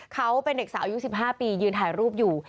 เขาเป็นเด็กสาวอายุ๑๕ปียืนถ่ายรูปอยู่